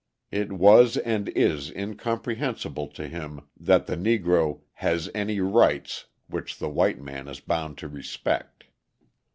It was and is incomprehensible to him that the Negro "has any rights which the white man is bound to respect."